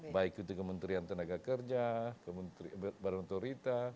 baik itu kementerian tenaga kerja badan otorita